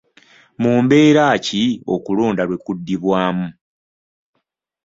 Mu mbeera ki okulonda lwe kuddibwaamu?